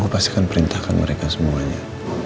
pastikan perintahkan mereka semuanya